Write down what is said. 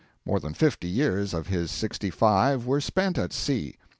More than fifty years of his sixty five were spent at sea.